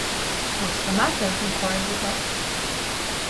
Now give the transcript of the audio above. ‘What’s the matter?’ inquired the clerk.